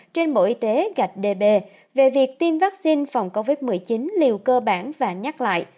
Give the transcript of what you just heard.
trên bộ y tế gạch db về việc tiêm vaccine phòng covid một mươi chín liều cơ bản và nhắc lại